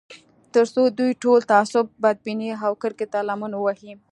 تر څو دوی ټول تعصب، بدبینۍ او کرکې ته لمن ووهي